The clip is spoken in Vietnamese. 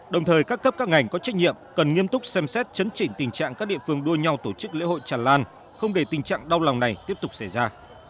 đồng thời các cấp các ngành có trách nhiệm cần nghiêm túc xem xét chấn chỉnh tình trạng các địa phương đua nhau tổ chức lễ hội tràn lan không để tình trạng đau lòng này tiếp tục xảy ra